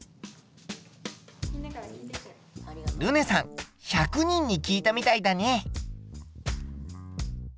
るねさん１００人に聞いたみたいだね。